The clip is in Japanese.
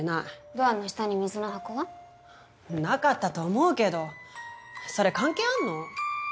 ドアの下に水の箱は？なかったと思うけどそれ関係あんの？